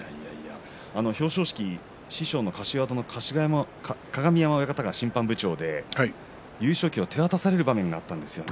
表彰式、師匠の柏戸鏡山親方が審判長で優勝旗を手渡される場面があったんですよね。